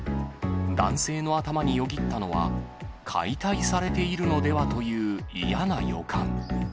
男性の頭によぎったのは、解体されているのではという嫌な予感。